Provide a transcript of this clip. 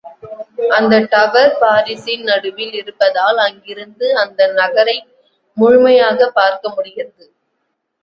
அந்த டவர் பாரிசின் நடுவில் இருப்பதால் அங்கிருந்து அந்த நகரை முழுமையாகப் பார்க்க முடிகிறது.